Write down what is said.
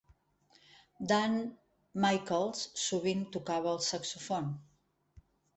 Dan Michaels sovint tocava el saxofon.